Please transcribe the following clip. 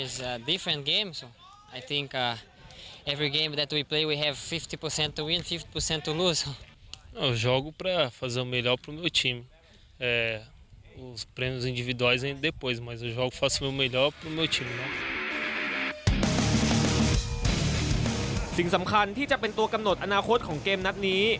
สิ่งสำคัญที่จะเป็นตัวกำหนดอนาคตของเกมนัดนี้